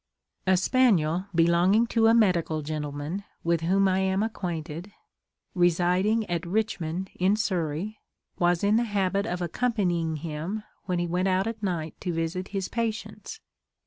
A spaniel belonging to a medical gentleman, with whom I am acquainted, residing at Richmond in Surrey, was in the habit of accompanying him when he went out at night to visit his patients.